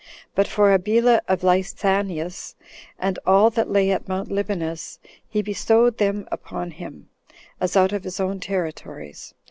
But for Abila 16 of Lysanias, and all that lay at Mount Libanus, he bestowed them upon him, as out of his own territories.